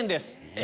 え